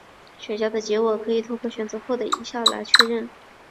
选项的结果可以透过选择后的音效来确认。